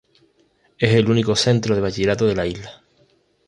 Es el único centro de bachillerato de la isla.